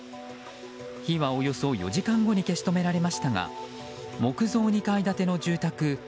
火はおよそ４時間後に消し止められましたが木造２階建ての住宅